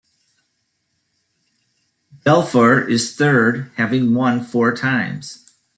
Belfour is third, having won four times.